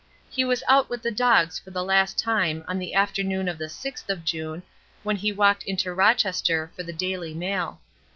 He was out with the dogs for the last time on the afternoon of the sixth of June, when he walked into Rochester for the "Daily Mail."